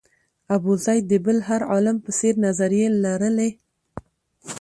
ابوزید د بل هر عالم په څېر نظریې لرلې.